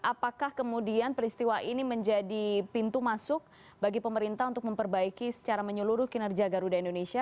apakah kemudian peristiwa ini menjadi pintu masuk bagi pemerintah untuk memperbaiki secara menyeluruh kinerja garuda indonesia